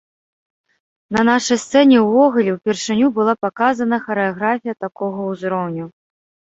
На нашай сцэне ўвогуле ўпершыню была паказана харэаграфія такога ўзроўню.